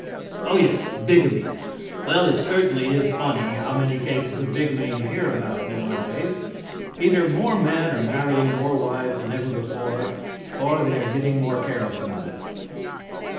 Oh, yes! Bigamy! Well, it certainly is funny how many cases of bigamy you hear about nowadays. Either more men are marrying more wives than ever before, or they are getting more careless about it.